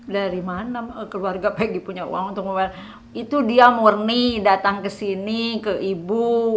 dari mana keluarga pergi punya uang untuk membayar itu dia murni datang ke sini ke ibu